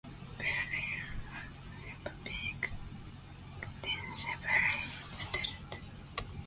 Bear Island has never been extensively settled.